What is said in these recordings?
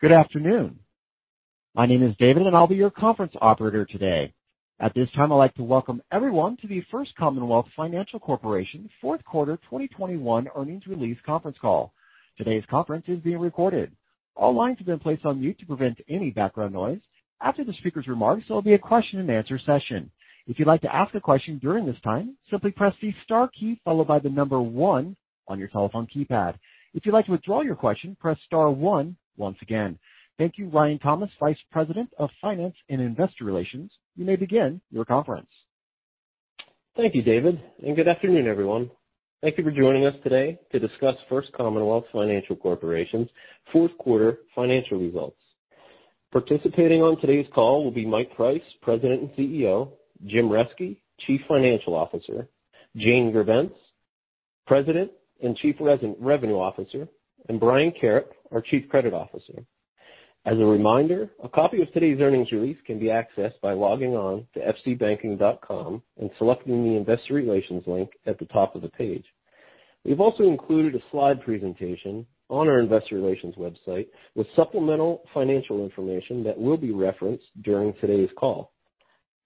Good afternoon. My name is David, and I'll be your conference operator today. At this time, I'd like to welcome everyone to the First Commonwealth Financial Corporation fourth quarter 2021 earnings release conference call. Today's conference is being recorded. All lines have been placed on mute to prevent any background noise. After the speaker's remarks, there'll be a question-and-answer session. If you'd like to ask a question during this time, simply press the star key followed by the number one on your telephone keypad. If you'd like to withdraw your question, press star one once again. Thank you. Ryan Thomas, Vice President of Finance and Investor Relations, you may begin your conference. Thank you, David, and good afternoon, everyone. Thank you for joining us today to discuss First Commonwealth Financial Corporation's fourth quarter financial results. Participating on today's call will be Mike Price, President and CEO, Jim Reske, Chief Financial Officer, Jane Grebenc, President and Chief Revenue Officer, and Brian Sohocki, our Chief Credit Officer. As a reminder, a copy of today's earnings release can be accessed by logging on to fcbanking.com and selecting the Investor Relations link at the top of the page. We've also included a slide presentation on our investor relations website with supplemental financial information that will be referenced during today's call.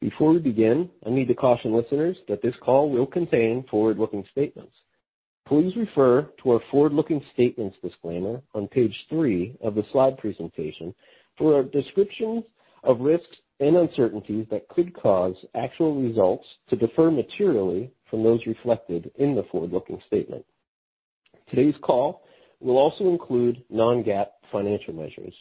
Before we begin, I need to caution listeners that this call will contain forward-looking statements. Please refer to our forward-looking statements disclaimer on page 3 of the slide presentation for a description of risks and uncertainties that could cause actual results to differ materially from those reflected in the forward-looking statement. Today's call will also include non-GAAP financial measures.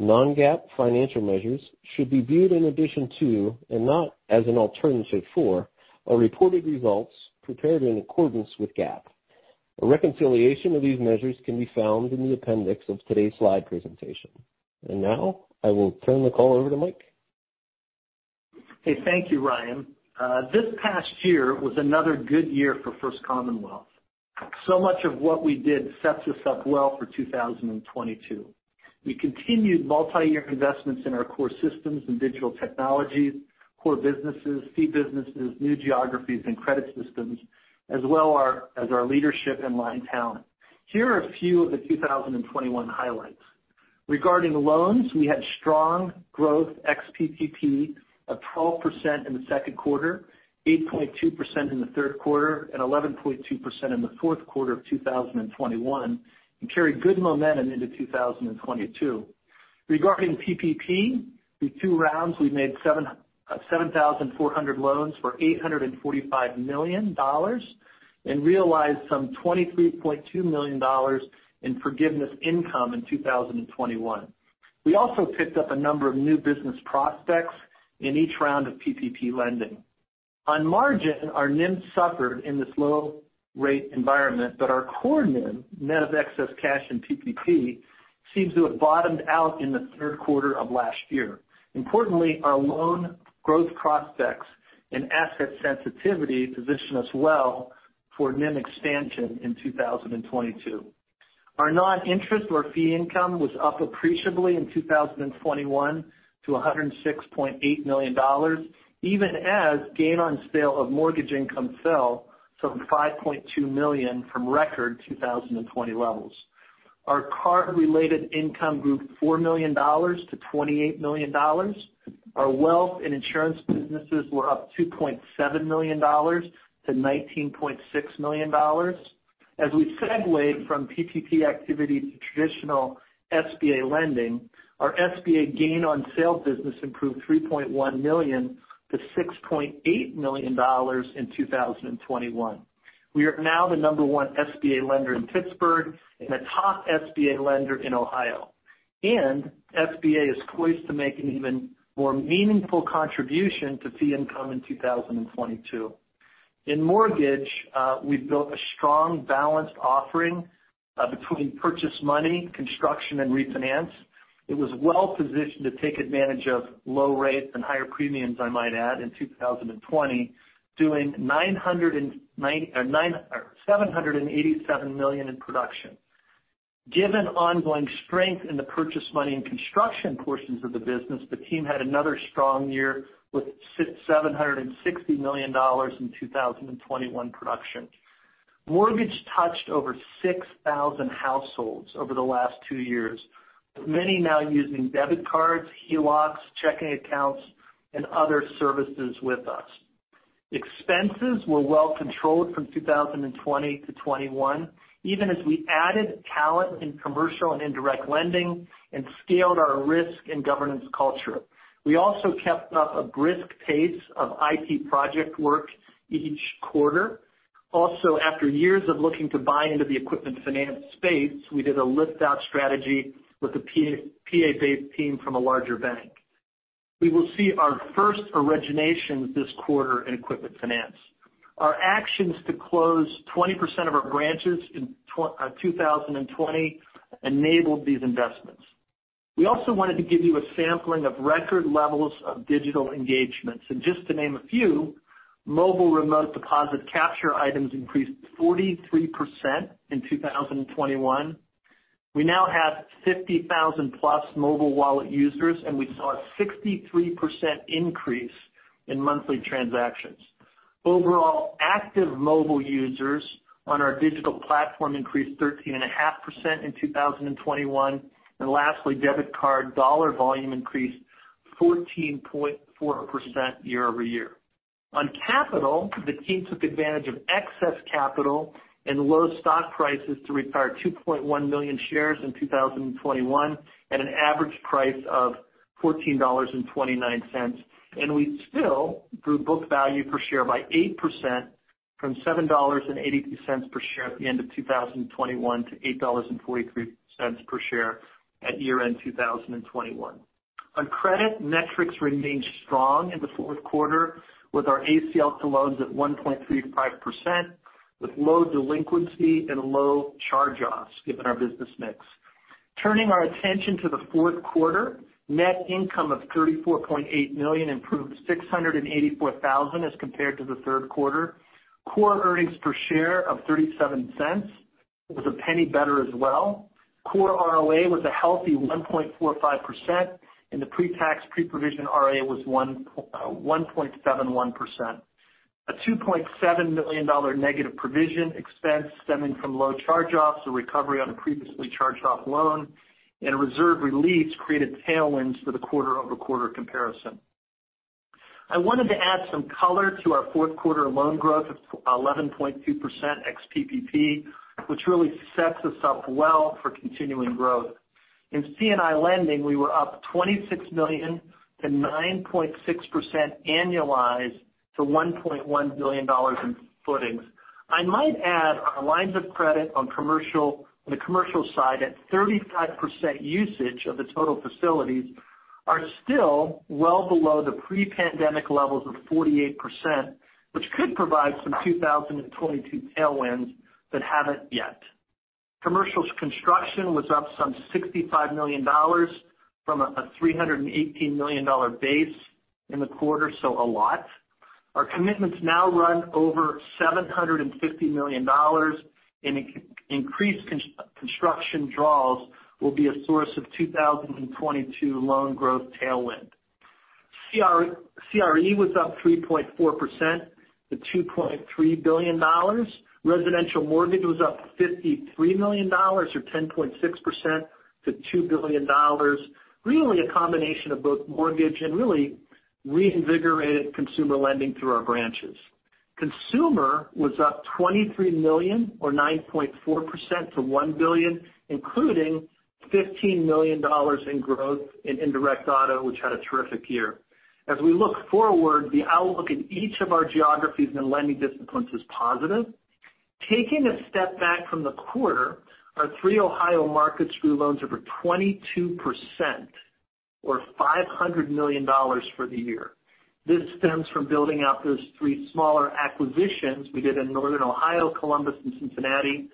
Non-GAAP financial measures should be viewed in addition to, and not as an alternative for, our reported results prepared in accordance with GAAP. A reconciliation of these measures can be found in the appendix of today's slide presentation. Now, I will turn the call over to Mike. Okay, thank you, Ryan. This past year was another good year for First Commonwealth. So much of what we did sets us up well for 2022. We continued multi-year investments in our core systems and digital technologies, core businesses, fee businesses, new geographies and credit systems, as well as our leadership and line talent. Here are a few of the 2021 highlights. Regarding loans, we had strong growth ex-PPP of 12% in the second quarter, 8.2% in the third quarter, and 11.2% in the fourth quarter of 2021, and carry good momentum into 2022. Regarding PPP, the two rounds we made 7,400 loans for $845 million and realized some $23.2 million in forgiveness income in 2021. We also picked up a number of new business prospects in each round of PPP lending. On margin, our NIM suffered in this low rate environment, but our core NIM, net of excess cash and PPP, seems to have bottomed out in the third quarter of last year. Importantly, our loan growth prospects and asset sensitivity position us well for NIM expansion in 2022. Our non-interest or fee income was up appreciably in 2021 to $106.8 million, even as gain on sale of mortgage income fell from $5.2 million from record 2020 levels. Our card-related income grew $4 million to $28 million. Our wealth and insurance businesses were up $2.7 million to $19.6 million. As we segued from PPP activity to traditional SBA lending, our SBA gain on sale business improved $3.1 million to $6.8 million in 2021. We are now the number one SBA lender in Pittsburgh and a top SBA lender in Ohio. SBA is poised to make an even more meaningful contribution to fee income in 2022. In mortgage, we've built a strong balanced offering between purchase money, construction and refinance. It was well positioned to take advantage of low rates and higher premiums, I might add, in 2020, doing $787 million in production. Given ongoing strength in the purchase money and construction portions of the business, the team had another strong year with $760 million in 2021 production. Mortgage touched over 6,000 households over the last two years, with many now using debit cards, HELOCs, checking accounts and other services with us. Expenses were well controlled from 2020 to 2021, even as we added talent in commercial and indirect lending and scaled our risk and governance culture. We also kept up a brisk pace of IT project work each quarter. Also, after years of looking to buy into the equipment finance space, we did a lift-out strategy with a PA-based team from a larger bank. We will see our first originations this quarter in equipment finance. Our actions to close 20% of our branches in 2020 enabled these investments. We also wanted to give you a sampling of record levels of digital engagements. Just to name a few, mobile remote deposit capture items increased 43% in 2021. We now have 50,000+ mobile wallet users, and we saw a 63% increase in monthly transactions. Overall, active mobile users on our digital platform increased 13.5% in 2021. Lastly, debit card dollar volume increased 14.4% year-over-year. On capital, the team took advantage of excess capital and low stock prices to retire 2.1 million shares in 2021 at an average price of $14.29. We still grew book value per share by 8% from $7.82 per share at the end of 2021 to $8.43 per share at year-end 2021. On credit, metrics remained strong in the fourth quarter with our ACL to loans at 1.35% with low delinquency and low charge-offs given our business mix. Turning our attention to the fourth quarter. Net income of $34.8 million improved $684,000 as compared to the third quarter. Core earnings per share of $0.37 was a penny better as well. Core ROA was a healthy 1.45% and the pre-tax pre-provision ROA was 1.71%. A $2.7 million negative provision expense stemming from low charge-offs, a recovery on a previously charged off loan and reserve release created tailwinds for the quarter-over-quarter comparison. I wanted to add some color to our fourth quarter loan growth of 11.2% ex PPP, which really sets us up well for continuing growth. In C&I lending, we were up $26 million to 9.6% annualized to $1.1 billion in footings. I might add our lines of credit on the commercial side at 35% usage of the total facilities are still well below the pre-pandemic levels of 48%, which could provide some 2022 tailwinds that haven't yet. Commercial's construction was up some $65 million from a $318 million base in the quarter, so a lot. Our commitments now run over $750 million and increased construction draws will be a source of 2022 loan growth tailwind. CRE was up 3.4% to $2.3 billion. Residential mortgage was up $53 million or 10.6% to $2 billion. Really a combination of both mortgage and really reinvigorated consumer lending through our branches. Consumer was up $23 million or 9.4% to $1 billion, including $15 million in growth in indirect auto, which had a terrific year. As we look forward, the outlook in each of our geographies and lending disciplines is positive. Taking a step back from the quarter, our three Ohio markets grew loans over 22% or $500 million for the year. This stems from building out those three smaller acquisitions we did in Northern Ohio, Columbus and Cincinnati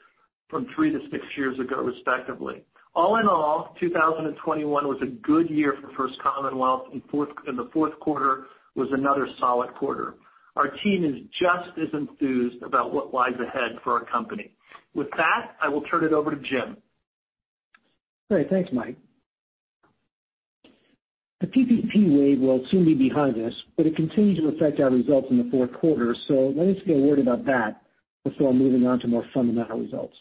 from 3 to 6 years ago, respectively. All in all, 2021 was a good year for First Commonwealth and the fourth quarter was another solid quarter. Our team is just as enthused about what lies ahead for our company. With that, I will turn it over to Jim. Great. Thanks, Mike. The PPP wave will soon be behind us, but it continues to affect our results in the fourth quarter. Let us get a word about that before moving on to more fundamental results.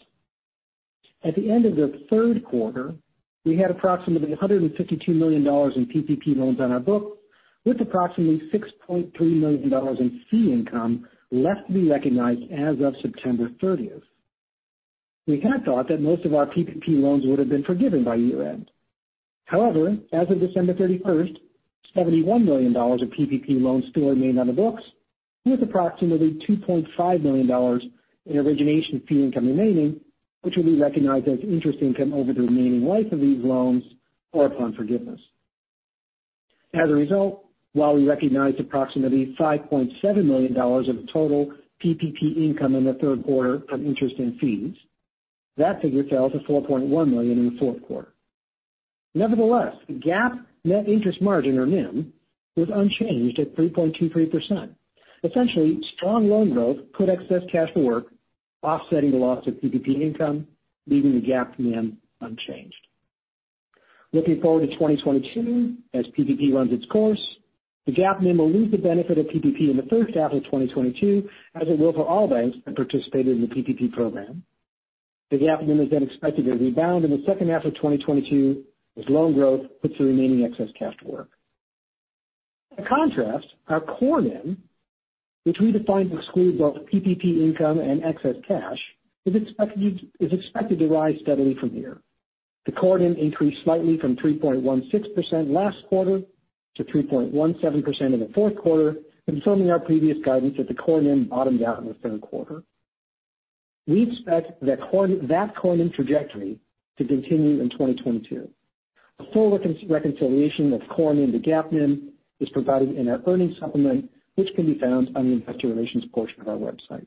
At the end of the third quarter, we had approximately $152 million in PPP loans on our books, with approximately $6.3 million in fee income left to be recognized as of September 30. We had thought that most of our PPP loans would have been forgiven by year-end. However, as of December 31, $71 million of PPP loans still remained on the books with approximately $2.5 million in origination fee income remaining, which will be recognized as interest income over the remaining life of these loans or upon forgiveness. As a result, while we recognized approximately $5.7 million of total PPP income in the third quarter from interest and fees, that figure fell to $4.1 million in the fourth quarter. Nevertheless, the GAAP net interest margin or NIM was unchanged at 3.23%. Essentially, strong loan growth put excess cash to work offsetting the loss of PPP income, leaving the GAAP NIM unchanged. Looking forward to 2022 as PPP runs its course, the GAAP NIM will lose the benefit of PPP in the first half of 2022, as it will for all banks that participated in the PPP program. The GAAP NIM is then expected to rebound in the second half of 2022 as loan growth puts the remaining excess cash to work. By contrast, our core NIM, which we define to exclude both PPP income and excess cash, is expected to rise steadily from here. The core NIM increased slightly from 3.16% last quarter to 3.17% in the fourth quarter, confirming our previous guidance that the core NIM bottomed out in the third quarter. We expect that core NIM trajectory to continue in 2022. A full reconciliation of core NIM to GAAP NIM is provided in our earnings supplement, which can be found on the investor relations portion of our website.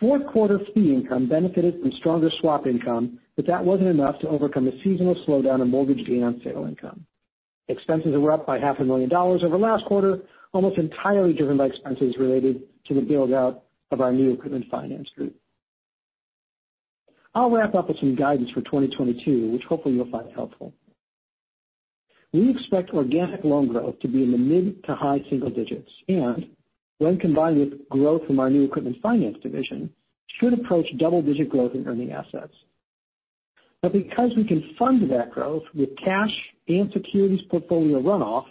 Fourth quarter fee income benefited from stronger swap income, but that wasn't enough to overcome the seasonal slowdown in mortgage gain on sale income. Expenses were up by half a million dollars over last quarter, almost entirely driven by expenses related to the build-out of our new equipment finance group. I'll wrap up with some guidance for 2022, which hopefully you'll find helpful. We expect organic loan growth to be in the mid- to high-single digits and when combined with growth from our new equipment finance division, should approach double-digit growth in earning assets. Because we can fund that growth with cash and securities portfolio runoff,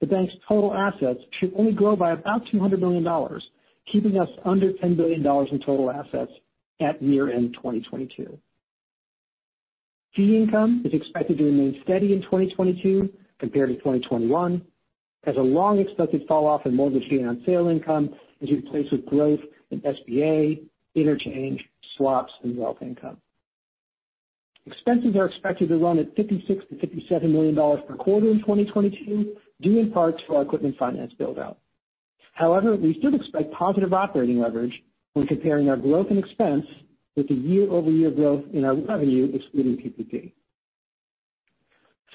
the bank's total assets should only grow by about $200 million, keeping us under $10 billion in total assets at year-end 2022. Fee income is expected to remain steady in 2022 compared to 2021 as a long-expected falloff in mortgage fee on sale income is replaced with growth in SBA, interchange, swaps, and wealth income. Expenses are expected to run at $56 million-$57 million per quarter in 2022, due in part to our equipment finance build-out. However, we still expect positive operating leverage when comparing our growth and expense with the year-over-year growth in our revenue excluding PPP.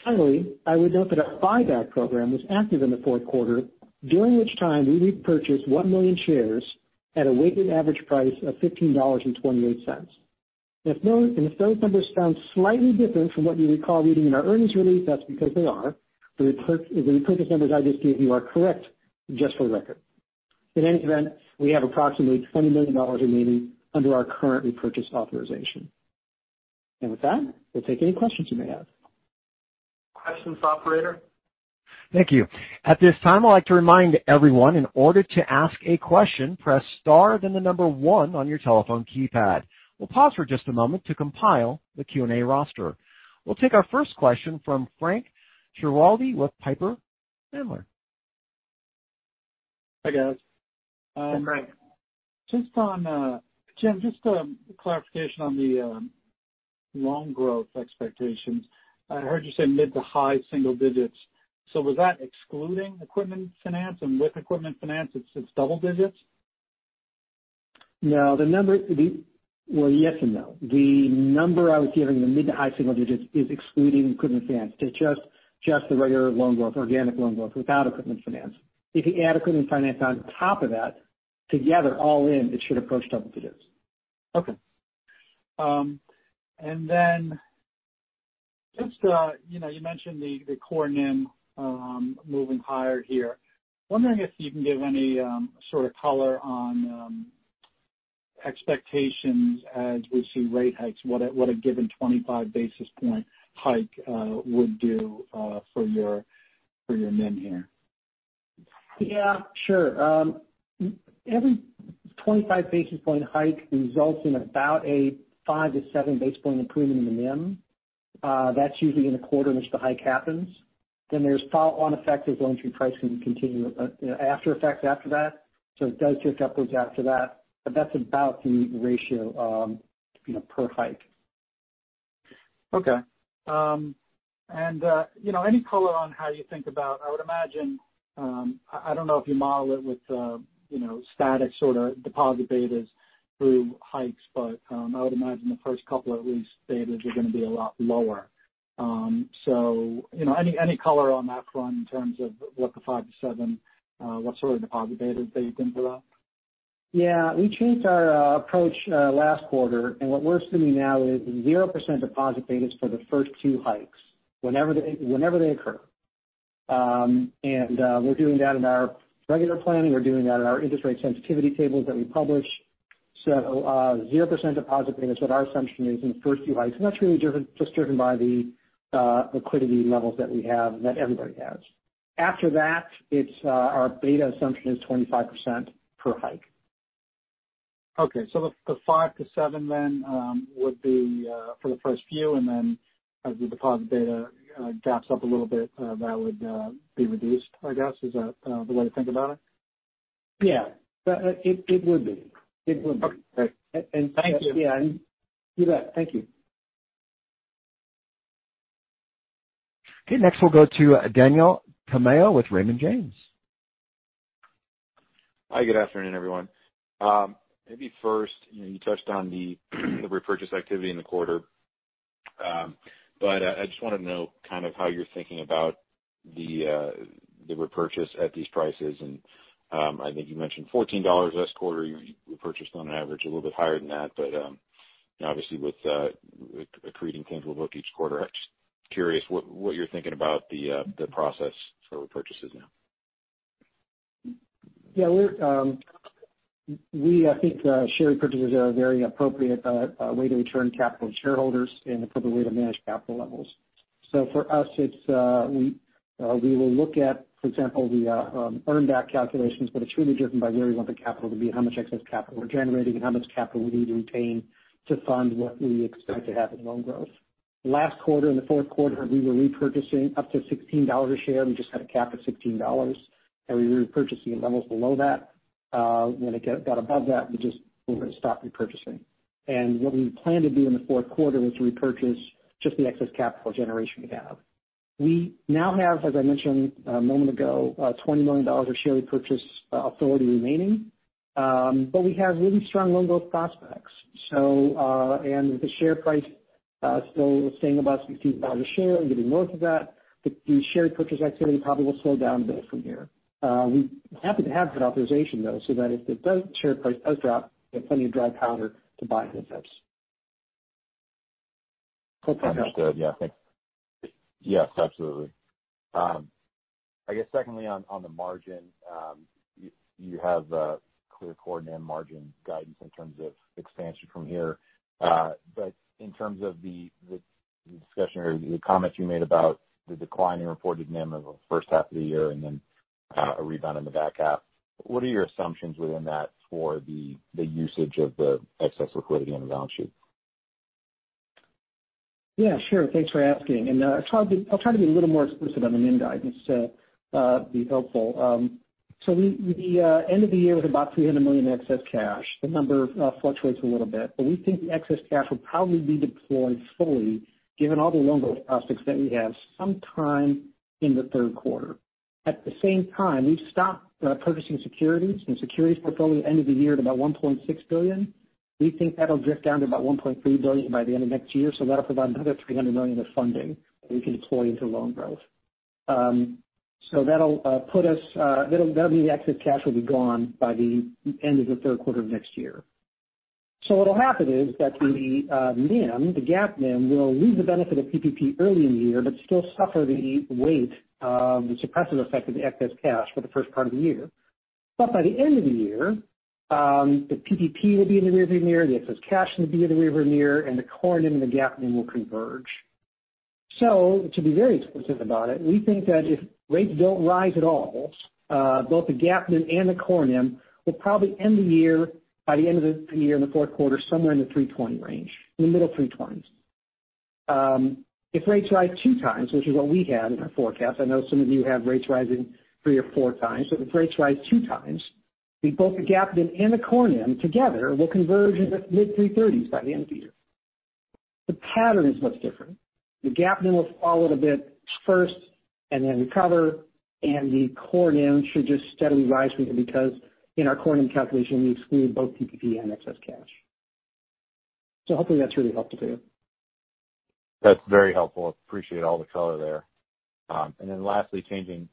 Finally, I would note that our buyback program was active in the fourth quarter, during which time we repurchased 1 million shares at a weighted average price of $15.28. If those numbers sound slightly different from what you recall reading in our earnings release, that's because they are. The repurchase numbers I just gave you are correct just for the record. In any event, we have approximately $20 million remaining under our current repurchase authorization. With that, we'll take any questions you may have. Questions, operator. Thank you. At this time, I'd like to remind everyone in order to ask a question, press star then the number one on your telephone keypad. We'll pause for just a moment to compile the Q&A roster. We'll take our first question from Frank Schiraldi with Piper Sandler. Hi, guys. Hi, Frank. Just on, Jim, just clarification on the loan growth expectations. I heard you say mid to high single digits. Was that excluding equipment finance, and with equipment finance it's double digits? No, well, yes and no. The number I was giving, the mid- to high-single digits, is excluding equipment finance. It's just the regular loan growth, organic loan growth without equipment finance. If you add equipment finance on top of that together all in, it should approach double digits. Okay. You know, you mentioned the core NIM moving higher here. Wondering if you can give any sort of color on expectations as we see rate hikes, what a given 25 basis point hike would do for your NIM here. Yeah, sure. Every 25 basis point hike results in about a 5-7 basis point improvement in the NIM. That's usually in the quarter in which the hike happens. There's follow-on effect as loan fee pricing continue, you know, after effects after that. It does drift upwards after that, but that's about the ratio, you know, per hike. Okay. You know, any color on how you think about, I would imagine, I don't know if you model it with, you know, static sort of deposit betas through hikes, but I would imagine the first couple of these betas are gonna be a lot lower. You know, any color on that front in terms of what the 5-7 sort of deposit betas that you think about? Yeah. We changed our approach last quarter. What we're assuming now is 0% deposit betas for the first two hikes whenever they occur. We're doing that in our regular planning. We're doing that in our interest rate sensitivity tables that we publish. 0% deposit beta is what our assumption is in the first few hikes, and that's really just driven by the liquidity levels that we have and that everybody has. After that, it's our beta assumption is 25% per hike. The 5-7 then would be for the first few, and then as the deposit beta gaps up a little bit, that would be reduced, I guess. Is that the way to think about it? Yeah. It would be. Okay, great. Thank you. Yeah. You bet. Thank you. Okay, next we'll go to Daniel Tamayo with Raymond James. Hi, good afternoon, everyone. Maybe first, you know, you touched on the repurchase activity in the quarter. I just wanna know kind of how you're thinking about the repurchase at these prices. I think you mentioned $14 last quarter. You repurchased on average a little bit higher than that. You know, obviously with accreting things we'll look each quarter. I'm just curious what you're thinking about the process for repurchases now. Yeah, I think share repurchases are a very appropriate way to return capital to shareholders and appropriate way to manage capital levels. For us it's we will look at, for example, the earn back calculations, but it's really driven by where we want the capital to be and how much excess capital we're generating and how much capital we need to retain to fund what we expect to have in loan growth. Last quarter, in the fourth quarter, we were repurchasing up to $16 a share. We just had a cap of $16, and we were repurchasing at levels below that. When it got above that, we're gonna stop repurchasing. What we plan to do in the fourth quarter was to repurchase just the excess capital generation we have. We now have, as I mentioned a moment ago, $20 million of share repurchase authority remaining. We have really strong loan growth prospects with the share price. Still staying above $16 a share and getting north of that. The share purchase activity probably will slow down a bit from here. We're happy to have that authorization though, so that if it does, share price does drop, we have plenty of dry powder to buy into this. Understood. Yeah. Yes, absolutely. I guess secondly, on the margin, you have a clear core NIM margin guidance in terms of expansion from here. In terms of the discussion or the comments you made about the decline in reported NIM over the first half of the year and then a rebound in the back half, what are your assumptions within that for the usage of the excess liquidity on the balance sheet? Yeah, sure. Thanks for asking. I'll try to be a little more explicit on the NIM guidance to be helpful. We ended the year with about $300 million excess cash. The number fluctuates a little bit, but we think the excess cash will probably be deployed fully given all the loan growth prospects that we have sometime in the third quarter. At the same time, we've stopped purchasing securities. The securities portfolio at the end of the year was about $1.6 billion. We think that'll drift down to about $1.3 billion by the end of next year. That'll provide another $300 million of funding that we can deploy into loan growth. That'll put us, that'll be the excess cash will be gone by the end of the third quarter of next year. What'll happen is that the NIM, the GAAP NIM, will lose the benefit of PPP early in the year, but still suffer the weight, the suppressive effect of the excess cash for the first part of the year. By the end of the year, the PPP will be in the rearview mirror, the excess cash will be in the rearview mirror, and the core NIM and the GAAP NIM will converge. To be very explicit about it, we think that if rates don't rise at all, both the GAAP NIM and the core NIM will probably end the year, by the end of the year in the fourth quarter, somewhere in the 3.20 range, in the middle 3.20s. If rates rise two times, which is what we had in our forecast, I know some of you have rates rising three or four times, but if rates rise two times, both the GAAP NIM and the core NIM together will converge in the mid-3.30s by the end of the year. The patterns look different. The GAAP NIM will fall a little bit first and then recover, and the core NIM should just steadily rise because in our core NIM calculation, we exclude both PPP and excess cash. Hopefully that's really helpful to you. That's very helpful. Appreciate all the color there. Lastly, changing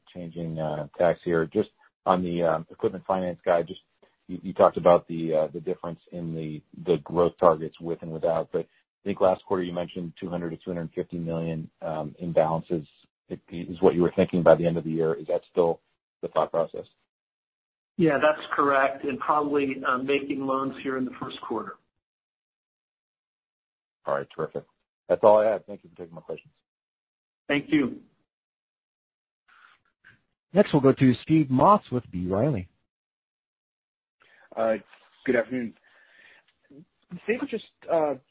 tacks here. Just on the equipment finance guide, you talked about the difference in the growth targets with and without, but I think last quarter you mentioned $200 million-$250 million in balances is what you were thinking by the end of the year. Is that still the thought process? Yeah, that's correct. Probably, making loans here in the first quarter. All right. Terrific. That's all I had. Thank you for taking my questions. Thank you. Next, we'll go to Steve Moss with B. Riley. Good afternoon. Maybe just,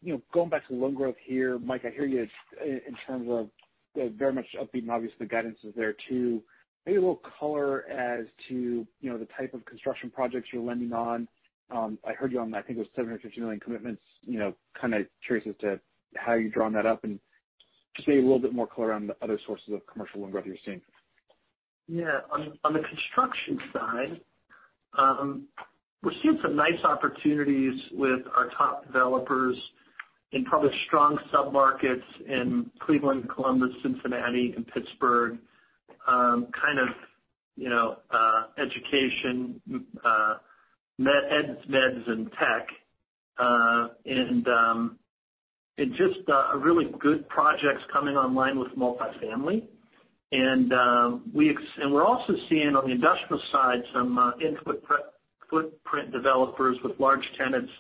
you know, going back to loan growth here, Mike, I hear you in terms of you're very much upbeat and obviously the guidance is there too. Maybe a little color as to, you know, the type of construction projects you're lending on. I heard you on, I think it was $750 million commitments, you know, kind of curious as to how you're drawing that up. Just maybe a little bit more color around the other sources of commercial loan growth you're seeing. Yeah. On the construction side, we're seeing some nice opportunities with our top developers in probably strong submarkets in Cleveland, Columbus, Cincinnati and Pittsburgh. Kind of, you know, education, meds and eds, and tech. And just really good projects coming online with multifamily. And we're also seeing on the industrial side some in-footprint developers with large tenants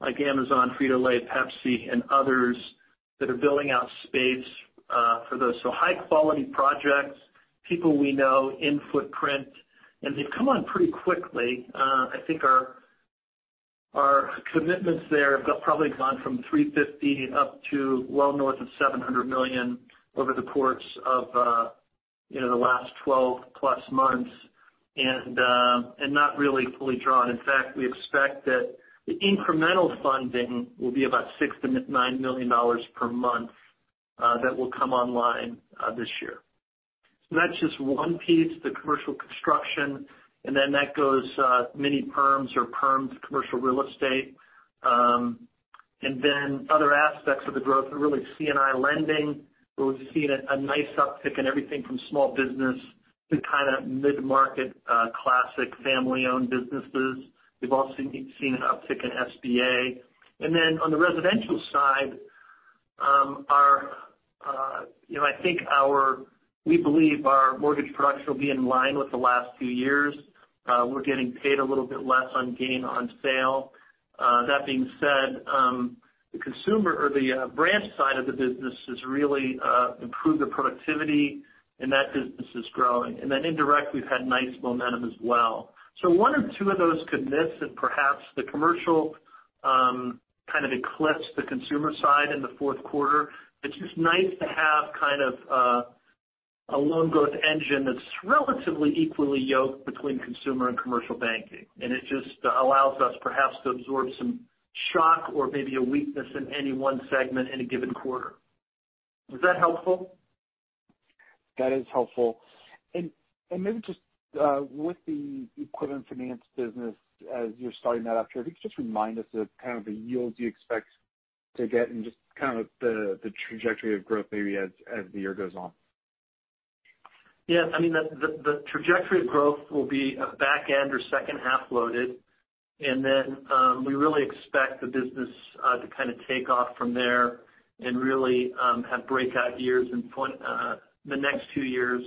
like Amazon, Frito-Lay, Pepsi and others that are building out space for those. High quality projects, people we know, in footprint, and they've come on pretty quickly. I think our commitments there have probably gone from $350 million up to well north of $700 million over the course of the last 12+ months, and not really fully drawn. In fact, we expect that the incremental funding will be about $6 million-$9 million per month that will come online this year. That's just one piece, the commercial construction. That goes mini-perms or perms commercial real estate. Other aspects of the growth are really C&I lending, where we've seen a nice uptick in everything from small business to kind of mid-market classic family-owned businesses. We've also seen an uptick in SBA. On the residential side, you know, I think we believe our mortgage production will be in line with the last few years. We're getting paid a little bit less on gain on sale. That being said, the consumer or the branch side of the business has really improved the productivity and that business is growing. Indirect, we've had nice momentum as well. One or two of those could miss and perhaps the commercial kind of eclipse the consumer side in the fourth quarter. It's just nice to have kind of a loan growth engine that's relatively equally yoked between consumer and commercial banking. It just allows us perhaps to absorb some shock or maybe a weakness in any one segment in a given quarter. Was that helpful? That is helpful. Maybe just, with the equipment finance business as you're starting that up here, if you could just remind us of kind of the yields you expect to get and just kind of the trajectory of growth maybe as the year goes on. Yes. I mean, the trajectory of growth will be a back end or second half loaded. We really expect the business to kind of take off from there and really have breakout years in point the next two years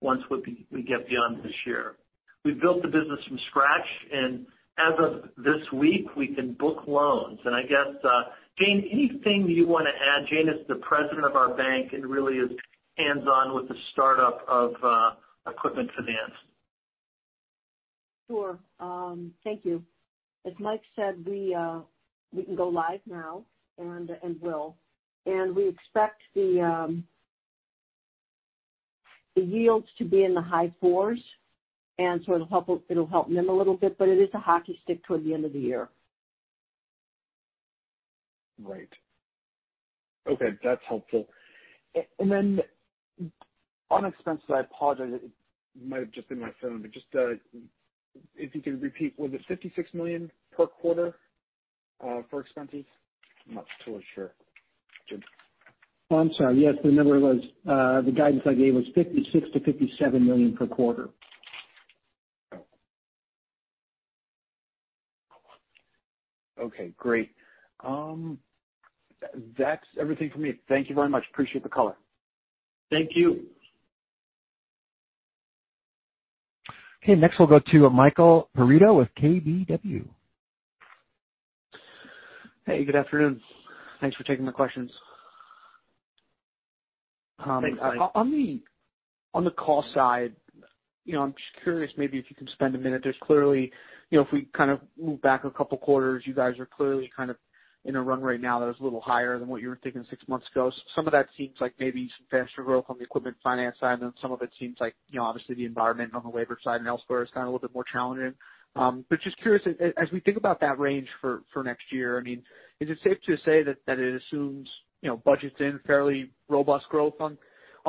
once we get beyond this year. We've built the business from scratch, and as of this week, we can book loans. I guess, Jane, anything you wanna add? Jane is the President of our bank and really is hands-on with the startup of equipment finance. Sure. Thank you. As Mike said, we can go live now and will. We expect the yields to be in the high fours. It'll help NIM a little bit, but it is a hockey stick toward the end of the year. Right. Okay. That's helpful. And then on expenses, I apologize, it might have just been my phone, but just if you could repeat, was it $56 million per quarter for expenses? I'm not totally sure, Jim. I'm sorry. Yes, the number was, the guidance I gave was $56 million-$57 million per quarter. Okay, great. That's everything for me. Thank you very much. Appreciate the color. Thank you. Okay. Next, we'll go to Michael Perito with KBW. Hey, good afternoon. Thanks for taking the questions. Thanks, Mike. On the cost side, you know, I'm just curious maybe if you can spend a minute. There's clearly, you know, if we kind of move back a couple quarters, you guys are clearly kind of in a run rate now that is a little higher than what you were thinking six months ago. Some of that seems like maybe some faster growth on the equipment finance side, and then some of it seems like, you know, obviously the environment on the labor side and elsewhere is kind of a little bit more challenging. Just curious, as we think about that range for next year, I mean, is it safe to say that it assumes, you know, budgets in fairly robust growth on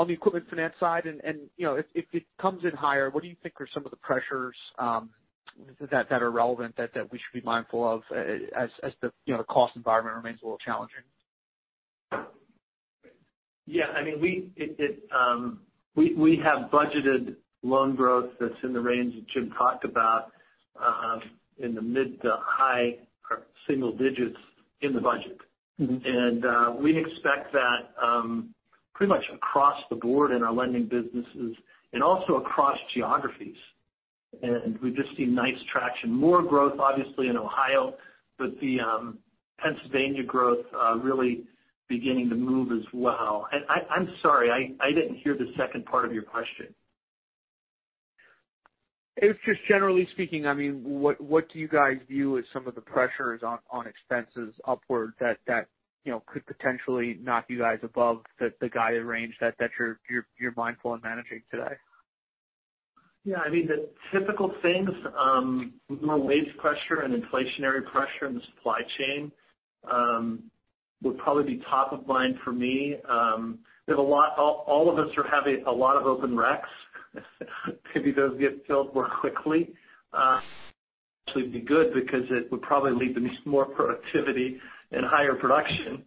the equipment finance side? You know, if it comes in higher, what do you think are some of the pressures that are relevant that we should be mindful of as the, you know, the cost environment remains a little challenging? Yeah, I mean, we have budgeted loan growth that's in the range that Jim talked about, in the mid- to high-single digits in the budget. Mm-hmm. We expect that pretty much across the board in our lending businesses and also across geographies. We've just seen nice traction. More growth, obviously, in Ohio, but the Pennsylvania growth really beginning to move as well. I'm sorry, I didn't hear the second part of your question. It's just generally speaking, I mean, what do you guys view as some of the pressures on expenses upward that, you know, could potentially knock you guys above the guided range that you're mindful in managing today? Yeah, I mean, the typical things, you know, wage pressure and inflationary pressure in the supply chain would probably be top of mind for me. All of us are having a lot of open reqs. If maybe those get filled more quickly, actually be good because it would probably lead to more productivity and higher production.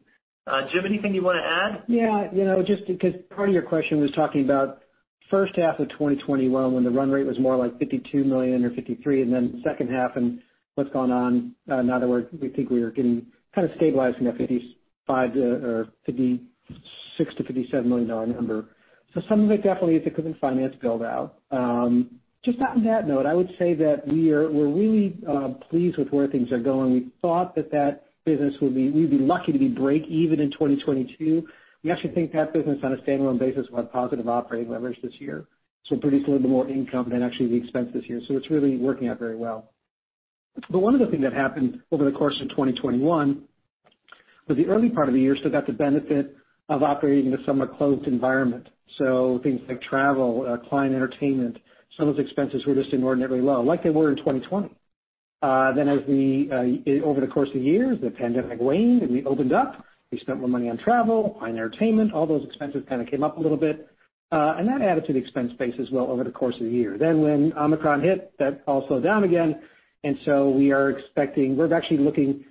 Jim, anything you wanna add? Yeah, you know, just because part of your question was talking about first half of 2021 when the run rate was more like $52 million or $53 million, and then second half and what's gone on. Now that we think we are getting kind of stabilizing at $55, or $56-$57 million number. So some of it definitely is the equipment finance build out. Just on that note, I would say that we're really pleased with where things are going. We thought that that business we'd be lucky to be breakeven in 2022. We actually think that business on a standalone basis will have positive operating leverage this year. So producing a little more income than actually the expense this year. So it's really working out very well. One of the things that happened over the course of 2021 was the early part of the year still got the benefit of operating in a somewhat closed environment. Things like travel, client entertainment, some of those expenses were just inordinately low, like they were in 2020. As we over the course of the year, the pandemic waned and we opened up. We spent more money on travel, client entertainment, all those expenses kind of came up a little bit. That added to the expense base as well over the course of the year. When Omicron hit, that all slowed down again. We're actually looking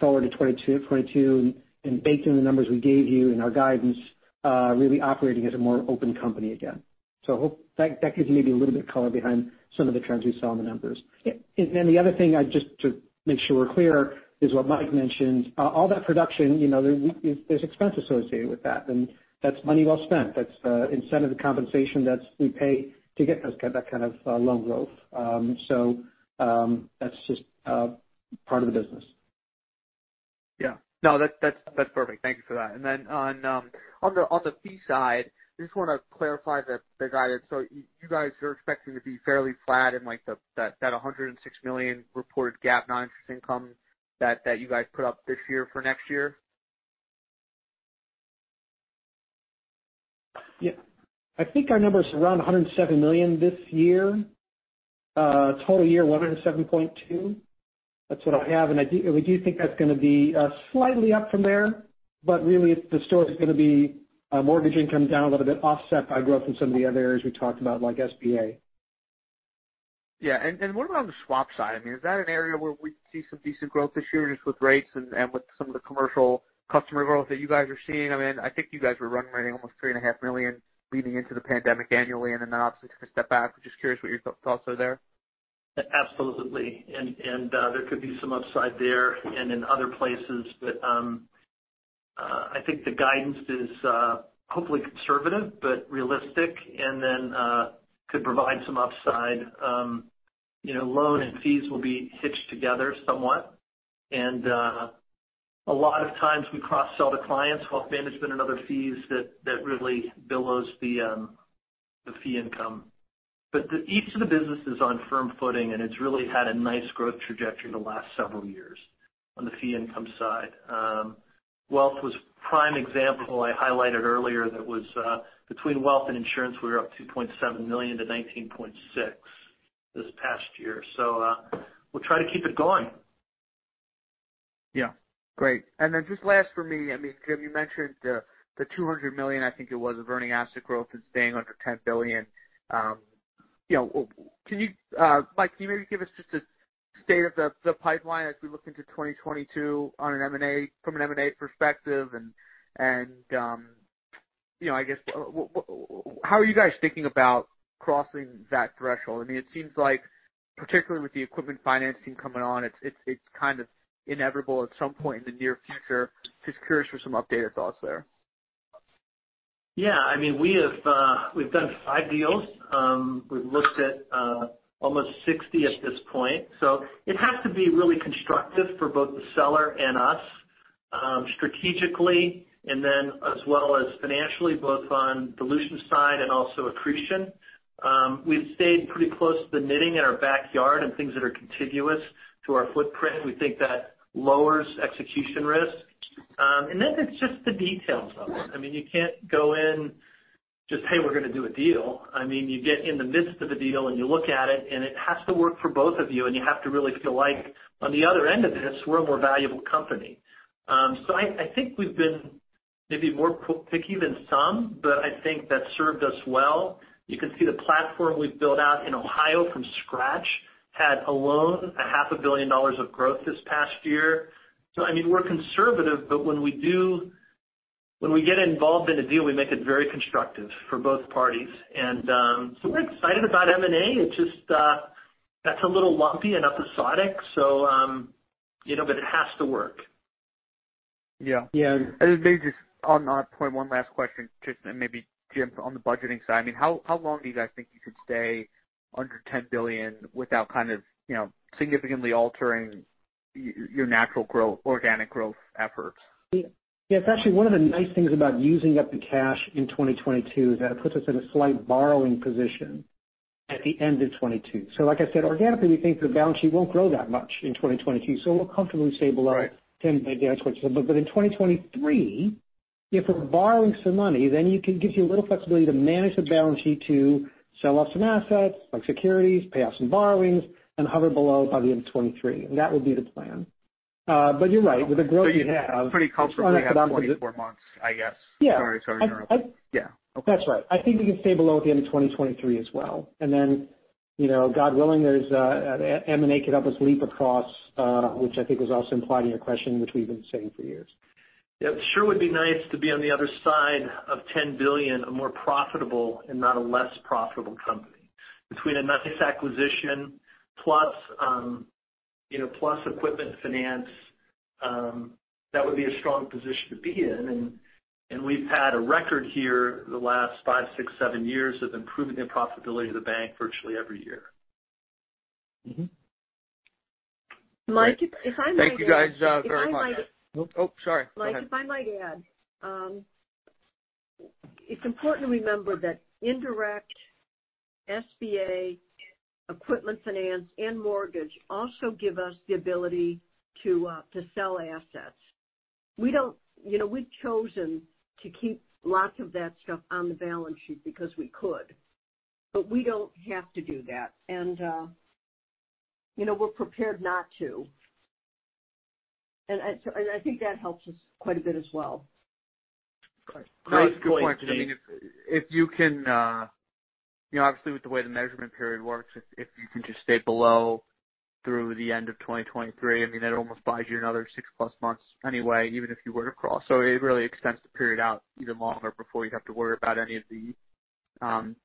forward to 2022 and baking the numbers we gave you in our guidance, really operating as a more open company again. Hope that gives you maybe a little bit of color behind some of the trends we saw in the numbers. Then the other thing I just want to make sure we're clear is what Mike mentioned. All that production, there's expense associated with that, and that's money well spent. That's incentive compensation that we pay to get that kind of loan growth. That's just part of the business. Yeah. No, that's perfect. Thank you for that. On the fee side, I just wanna clarify the guidance. You guys are expecting to be fairly flat in like that $106 million reported GAAP non-interest income that you guys put up this year for next year? Yeah. I think our number is around $107 million this year. Total year $107.2. That's what I have. We do think that's gonna be slightly up from there. Really it's the story's gonna be mortgage income down a little bit, offset by growth in some of the other areas we talked about, like SBA. Yeah. What about on the swap side? I mean, is that an area where we see some decent growth this year just with rates and with some of the commercial customer growth that you guys are seeing? I mean, I think you guys were run rating almost $3.5 million leading into the pandemic annually and then obviously took a step back. Just curious what your thoughts are there. Absolutely. There could be some upside there and in other places. I think the guidance is hopefully conservative but realistic, and then could provide some upside. You know, loan and fees will be hitched together somewhat. A lot of times we cross-sell to clients, wealth management and other fees that really bolsters the fee income. Each of the businesses is on firm footing, and it's really had a nice growth trajectory in the last several years on the fee income side. Wealth was a prime example I highlighted earlier. That was between wealth and insurance, we were up $2.7 million to $19.6 million this past year. We'll try to keep it going. Yeah. Great. Then just last for me, I mean, Jim, you mentioned the two hundred million, I think it was, of earning asset growth and staying under ten billion. You know, Mike, can you maybe give us just a state of the pipeline as we look into twenty twenty-two on an M&A, from an M&A perspective? You know, I guess, how are you guys thinking about crossing that threshold? I mean, it seems like particularly with the equipment financing coming on, it's kind of inevitable at some point in the near future. Just curious for some updated thoughts there. Yeah. I mean, we have we've done 5 deals. We've looked at almost 60 at this point. It has to be really constructive for both the seller and us, strategically and then as well as financially, both on dilution side and also accretion. We've stayed pretty close to the knitting in our backyard and things that are contiguous to our footprint. We think that lowers execution risk. It's just the details of it. I mean, you can't go in just, hey, we're gonna do a deal. I mean, you get in the midst of the deal, and you look at it, and it has to work for both of you, and you have to really feel like on the other end of this, we're a more valuable company. I think we've been maybe more picky than some, but I think that's served us well. You can see the platform we've built out in Ohio from scratch had alone half a billion dollars of growth this past year. I mean, we're conservative, but when we get involved in a deal, we make it very constructive for both parties. We're excited about M&A. It's just, that's a little lumpy and episodic, so, you know. It has to work. Yeah. Yeah. Maybe just on that point, one last question. Just maybe, Jim, on the budgeting side, I mean, how long do you guys think you could stay under 10 billion without kind of, you know, significantly altering your natural growth, organic growth efforts? Yeah. It's actually one of the nice things about using up the cash in 2022 is that it puts us in a slight borrowing position at the end of 2022. Like I said, organically, we think the balance sheet won't grow that much in 2022, so we're comfortably stable at 10 by the end of 2022. In 2023, if we're borrowing some money, then you can give you a little flexibility to manage the balance sheet to sell off some assets like securities, pay off some borrowings and hover below by the end of 2023. That would be the plan. You're right. With the growth you have- You're pretty comfortable you have 24 months, I guess. Yeah. Sorry. Sorry to interrupt. Yeah. Okay. That's right. I think we can stay below at the end of 2023 as well. You know, God willing, there's M&A could help us leap across, which I think was also implied in your question, which we've been saying for years. It sure would be nice to be on the other side of $10 billion, a more profitable and not a less profitable company. Between a nice acquisition plus, you know, plus equipment finance, that would be a strong position to be in. We've had a record here the last 5, 6, 7 years of improving the profitability of the bank virtually every year. Mm-hmm. Great. Mike, if I might add. Thank you, guys, very much. If I might- Oh, sorry. Go ahead. Mike, if I might add, it's important to remember that indirect SBA equipment finance and mortgage also give us the ability to sell assets. We don't, you know, we've chosen to keep lots of that stuff on the balance sheet because we could, but we don't have to do that. You know, we're prepared not to. I think that helps us quite a bit as well. Great. Good point. I mean, if you can, you know, obviously with the way the measurement period works, if you can just stay below through the end of 2023, I mean, that almost buys you another 6+ months anyway, even if you were to cross. It really extends the period out even longer before you'd have to worry about any of the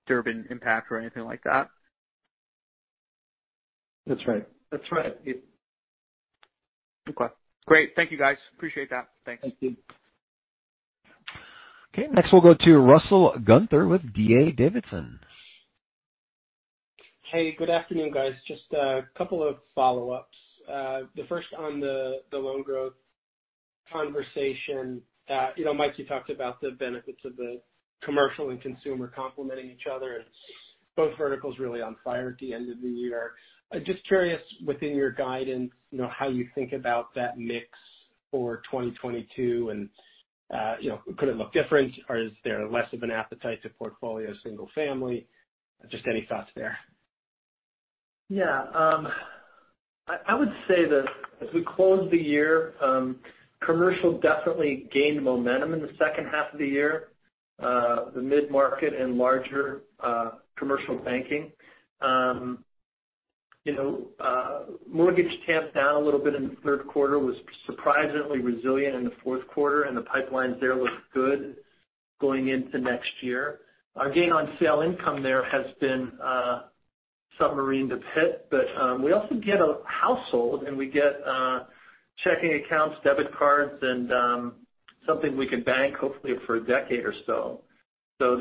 Durbin impact or anything like that. That's right. That's right. Okay. Great. Thank you, guys. Appreciate that. Thanks. Thank you. Okay. Next we'll go to Russell Gunther with D.A. Davidson. Hey, good afternoon, guys. Just a couple of follow-ups. The first on the loan growth conversation. You know, Mike, you talked about the benefits of the commercial and consumer complementing each other and both verticals really on fire at the end of the year. I'm just curious within your guidance, you know, how you think about that mix for 2022 and, you know, could it look different or is there less of an appetite to portfolio single family? Just any thoughts there. Yeah. I would say that as we close the year, commercial definitely gained momentum in the second half of the year, the mid-market and larger commercial banking. You know, mortgage tamped down a little bit in the third quarter, was surprisingly resilient in the fourth quarter and the pipelines there look good going into next year. Our gain on sale income there has been submarined a bit, but we also get a household and we get checking accounts, debit cards and something we can bank hopefully for a decade or so. So,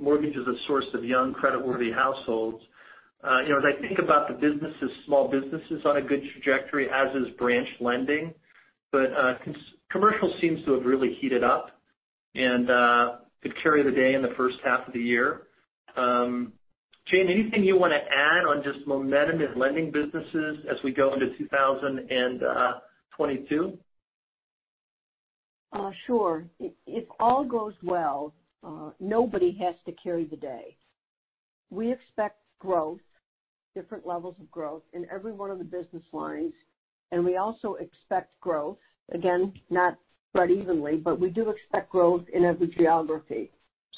mortgage is a source of young creditworthy households. You know, as I think about the businesses, small businesses on a good trajectory as is branch lending. Commercial seems to have really heated up and could carry the day in the first half of the year. Jane, anything you wanna add on just momentum in lending businesses as we go into 2022? Sure. If all goes well, nobody has to carry the day. We expect growth, different levels of growth in every one of the business lines. We also expect growth, again, not spread evenly, but we do expect growth in every geography.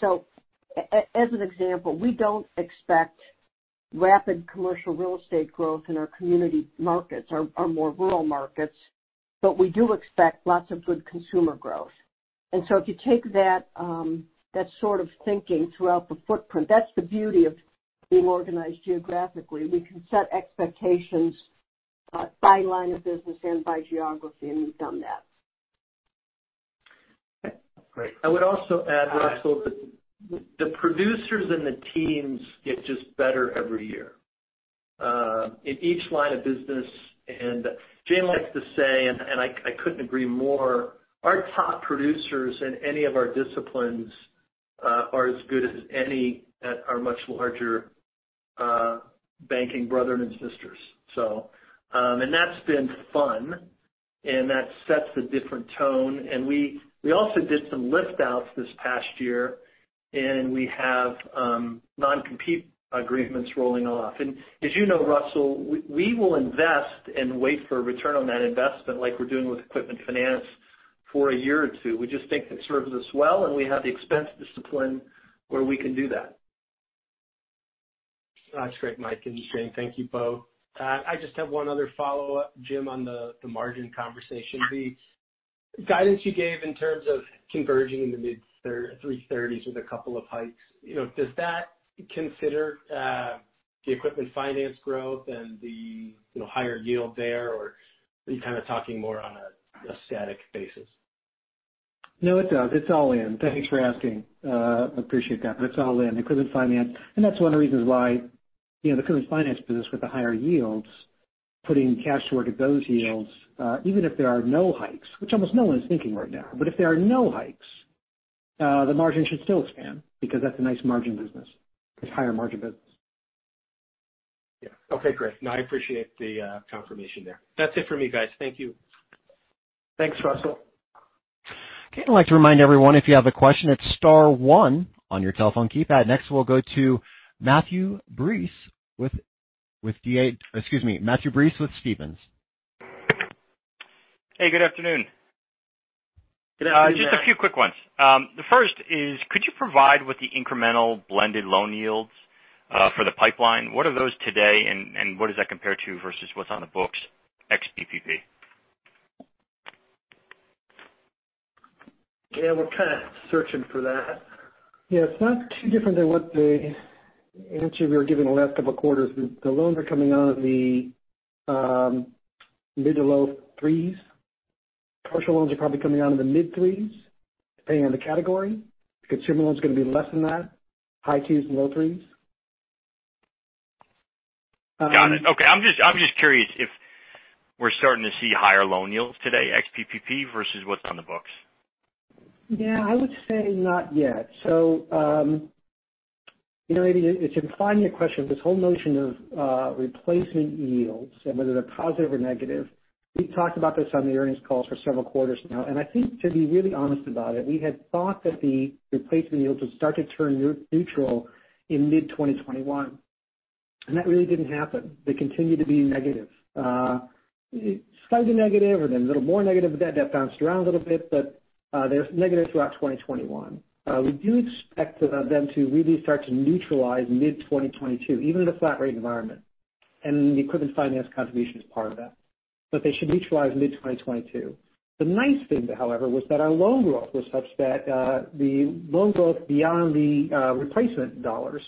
As an example, we don't expect rapid commercial real estate growth in our community markets, our more rural markets, but we do expect lots of good consumer growth. If you take that sort of thinking throughout the footprint, that's the beauty of being organized geographically. We can set expectations, by line of business and by geography, and we've done that. Okay. Great. I would also add, Russell, that the producers and the teams get just better every year in each line of business. Jane likes to say, and I couldn't agree more, our top producers in any of our disciplines are as good as any at our much larger banking brothers and sisters. That's been fun and that sets a different tone. We also did some lift outs this past year and we have non-compete agreements rolling off. As you know, Russell, we will invest and wait for return on that investment like we're doing with equipment finance for a year or two. We just think it serves us well and we have the expense discipline where we can do that. That's great, Mike and Jane. Thank you both. I just have one other follow-up, Jim, on the margin conversation. The guidance you gave in terms of converging in the mid-3.3s with a couple of hikes. You know, does that consider the equipment finance growth and the higher yield there, or are you kind of talking more on a static basis? No, it does. It's all in. Thanks for asking. Appreciate that. It's all in, equipment finance. That's one of the reasons why, you know, the equipment finance business with the higher yields, putting cash to work at those yields, even if there are no hikes, which almost no one is thinking right now. If there are no hikes, the margin should still expand because that's a nice margin business. It's higher margin business. Yeah. Okay, great. No, I appreciate the confirmation there. That's it for me, guys. Thank you. Thanks, Russell. Okay. I'd like to remind everyone if you have a question, it's star one on your telephone keypad. Next we'll go to Matthew Breese with Stephens. Hey, good afternoon. Good afternoon, Matt. Just a few quick ones. The first is, could you provide what the incremental blended loan yields for the pipeline? What are those today and what does that compare to versus what's on the books ex PPP? Yeah, we're kind of searching for that. Yeah. It's not too different than what the answer we were given the last couple of quarters. The loans are coming out of the mid- to low-3s. Commercial loans are probably coming out in the mid-3s, depending on the category. Consumer loans are gonna be less than that. High-2s and low-3s. Got it. Okay. I'm just curious if we're starting to see higher loan yields today, ex PPP versus what's on the books. Yeah, I would say not yet. You know, it's implying a question, this whole notion of replacement yields and whether they're positive or negative. We've talked about this on the earnings call for several quarters now, and I think to be really honest about it, we had thought that the replacement yields would start to turn neutral in mid-2021, and that really didn't happen. They continued to be negative. Slightly negative and then a little more negative than that. That bounced around a little bit, but they're negative throughout 2021. We do expect them to really start to neutralize mid-2022, even in a flat rate environment. The equipment finance contribution is part of that. They should neutralize mid-2022. The nice thing, however, was that our loan growth was such that the loan growth beyond the replacement dollars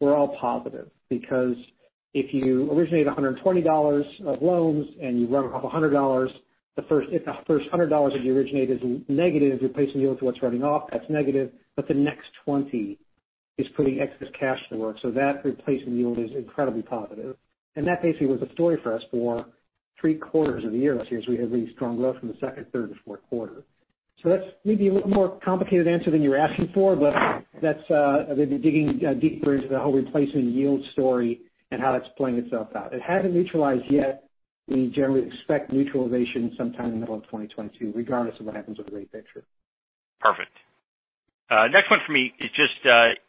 were all positive. Because if you originate $120 of loans and you run off a couple hundred dollars, if the first $100 that you originate is negative replacement yield to what's running off, that's negative. But the next 20 is putting excess cash to work. So that replacement yield is incredibly positive. That basically was the story for us for 3 quarters of the year last year, as we had really strong growth from the second, third to fourth quarter. That's maybe a little more complicated answer than you're asking for, but that's maybe digging deeper into the whole replacement yield story and how that's playing itself out. It hasn't neutralized yet. We generally expect neutralization sometime in the middle of 2022, regardless of what happens with the rate picture. Perfect. Next one for me is just,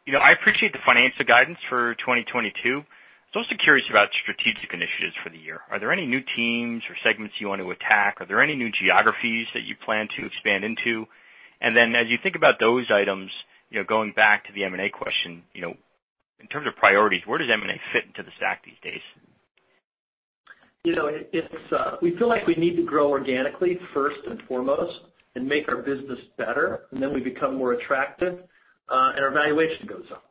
you know, I appreciate the financial guidance for 2022. I'm also curious about strategic initiatives for the year. Are there any new themes or segments you want to attack? Are there any new geographies that you plan to expand into? As you think about those items, you know, going back to the M&A question, you know, in terms of priorities, where does M&A fit into the stack these days? You know, it's we feel like we need to grow organically first and foremost and make our business better, and then we become more attractive, and our valuation goes up.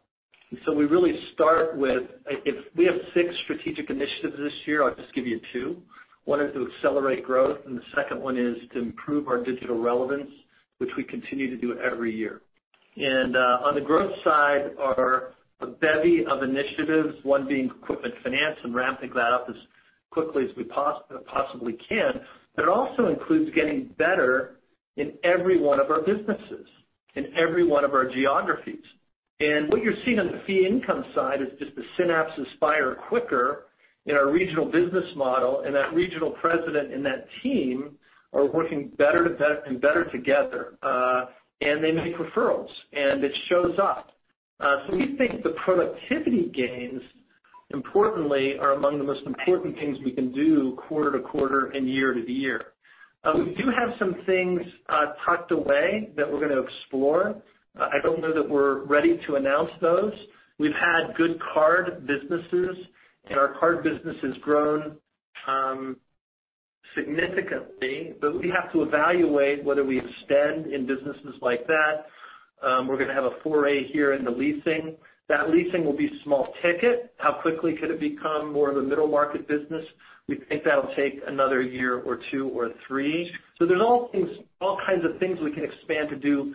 We really start with if we have six strategic initiatives this year, I'll just give you two. One is to accelerate growth, and the second one is to improve our digital relevance, which we continue to do every year. On the growth side are a bevy of initiatives, one being equipment finance and ramping that up as quickly as we possibly can. But it also includes getting better in every one of our businesses, in every one of our geographies. What you're seeing on the fee income side is just the synapses fire quicker in our regional business model, and that regional president and that team are working better and better together, and they make referrals, and it shows up. We think the productivity gains, importantly, are among the most important things we can do quarter to quarter and year to year. We do have some things tucked away that we're gonna explore. I don't know that we're ready to announce those. We've had good card businesses, and our card business has grown significantly, but we have to evaluate whether we extend in businesses like that. We're gonna have a foray here in the leasing. That leasing will be small ticket. How quickly could it become more of a middle market business? We think that'll take another year or two or three. There's all kinds of things we can expand to do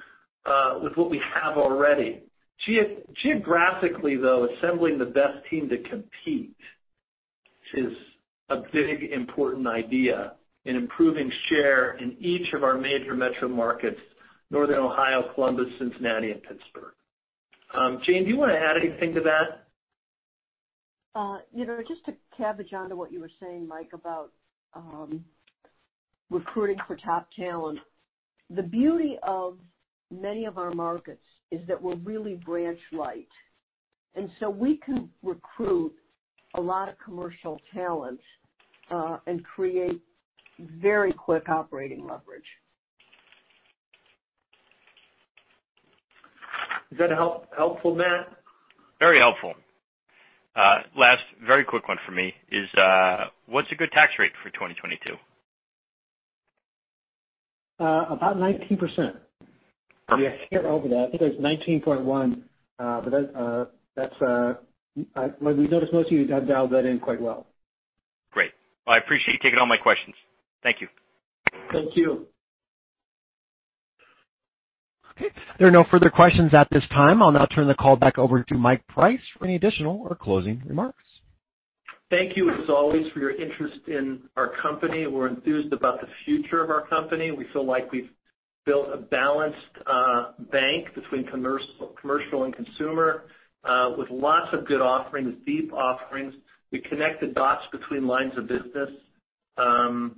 with what we have already. Geographically, though, assembling the best team to compete is a big, important idea in improving share in each of our major metro markets, Northern Ohio, Columbus, Cincinnati, and Pittsburgh. Jane, do you wanna add anything to that? You know, just to piggyback on to what you were saying, Mike, about recruiting for top talent. The beauty of many of our markets is that we're really branch light. We can recruit a lot of commercial talent and create very quick operating leverage. Is that helpful, Matt? Very helpful. Last very quick one for me is, what's a good tax rate for 2022? About 19%. We actually are over that. I think it's 19.1%. But that's well, we noticed most of you got dialed that in quite well. Great. I appreciate you taking all my questions. Thank you. Thank you. Okay, there are no further questions at this time. I'll now turn the call back over to Mike Price for any additional or closing remarks. Thank you as always for your interest in our company. We're enthused about the future of our company. We feel like we've built a balanced bank between commercial and consumer with lots of good offerings, deep offerings. We connect the dots between lines of business, and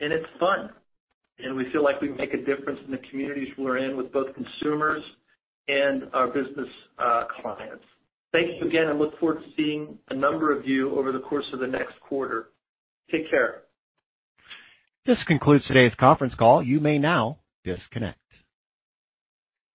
it's fun. We feel like we make a difference in the communities we're in with both consumers and our business clients. Thank you again and look forward to seeing a number of you over the course of the next quarter. Take care. This concludes today's conference call. You may now disconnect.